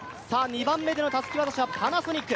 ２番目でのたすき渡しはパナソニック。